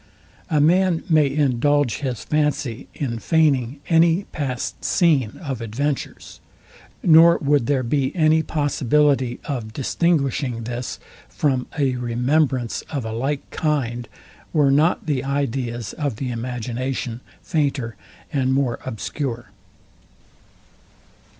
A man may indulge his fancy in feigning any past scene of adventures; nor would there be any possibility of distinguishing this from a remembrance of a like kind, were not the ideas of the imagination fainter and more obscure.